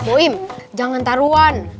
boeim jangan taruhan